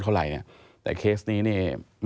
พ่อทำบ่อยไหมครับ